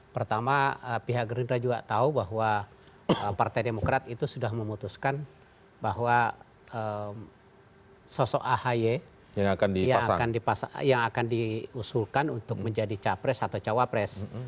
pertama pihak gerindra juga tahu bahwa partai demokrat itu sudah memutuskan bahwa sosok ahy yang akan diusulkan untuk menjadi capres atau cawapres